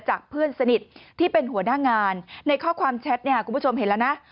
เพื่อนสนิทที่เป็นหัวหน้างานในข้อความแชทเนี่ยคุณผู้ชมเห็นแล้วนะ